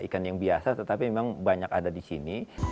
ikan yang biasa tetapi memang banyak ada di sini